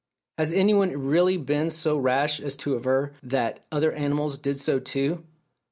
Has anyone really been so rash as to aver "that other animals did so too"?